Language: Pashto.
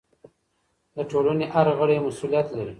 د ټولنې هر غړی مسؤلیت لري.